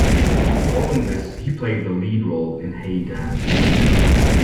Following this he played the lead role in Hey Dad..!